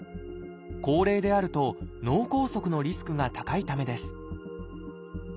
高齢であると脳梗塞のリスクが高いためです